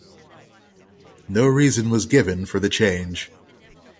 No reason was given for the change.